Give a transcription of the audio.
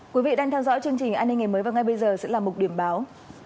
quý vị đang theo dõi chương trình an ninh ngày mới và ngay bây giờ sẽ là mục điểm báo